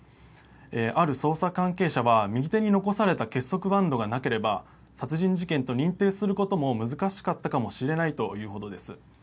ある捜査関係者は右手に残された結束バンドがなければ殺人事件と認定することも難しかったかもしれないと言うほどです。